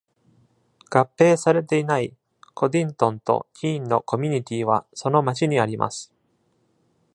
合併されていない、コディントンとキーンのコミュニティーは、その町にあります。